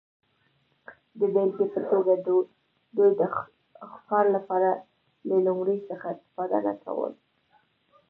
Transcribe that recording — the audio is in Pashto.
د بېلګې په توګه دوی د ښکار لپاره له لومې څخه استفاده نه کوله